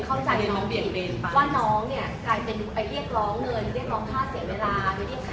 เขาเจนกว่าน้องเนี่ยกลายเป็นไปเรียกร้องเงินด้านลองผ้าเศรษฐ์เวลาไม่ได้